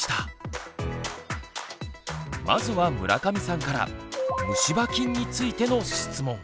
まずは村上さんからむし歯菌についての質問。